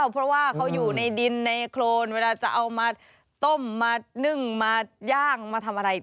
เพราะว่าเขาอยู่ในดินในโครนเวลาจะเอามาต้มมานึ่งมาย่างมาทำอะไร